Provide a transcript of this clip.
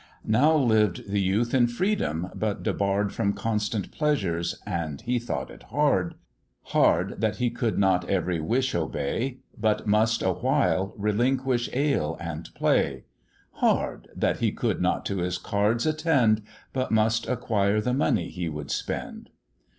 Now lived the youth in freedom, but debarr'd From constant pleasures, and he thought it hard; Hard that he could not every wish obey, But must awhile relinquish ale and play; Hard! that he could not to his cards attend, But must acquire the money he would spend.